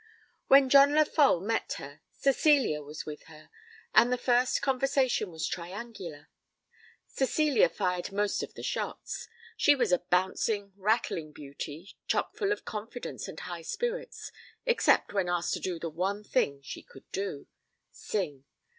When John Lefolle met her, Cecilia was with her, and the first conversation was triangular. Cecilia fired most of the shots; she was a bouncing, rattling beauty, chockful of confidence and high spirits, except when asked to do the one thing she could do sing!